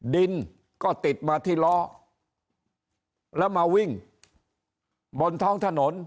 ดินก็ติดมาที่ล้อแล้วมาวิ่งบนท้องถนน